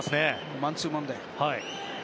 マンツーマンで。